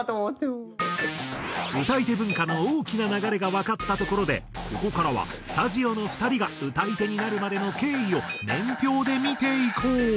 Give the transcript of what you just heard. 歌い手文化の大きな流れがわかったところでここからはスタジオの２人が歌い手になるまでの経緯を年表で見ていこう。